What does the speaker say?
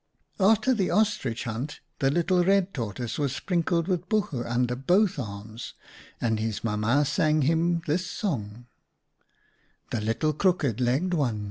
'" After the Ostrich hunt, the little Red Tortoise was sprinkled with buchu under both arms, and his Mam ma sang him this song :— The little crook legged one